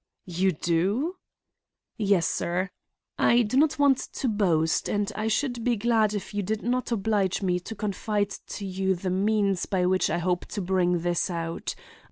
"You do?" "Yes, sir; I do not want to boast, and I should be glad if you did not oblige me to confide to you the means by which I hope to bring this out.